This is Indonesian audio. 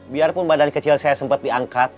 biarpun badan kecil saya sempat diangkat